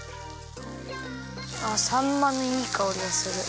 あっさんまのいいかおりがする。